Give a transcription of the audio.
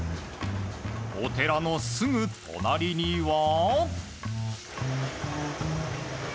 お寺のすぐ隣には。